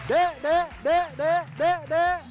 เดะเดะเดะเดะเดะเดะ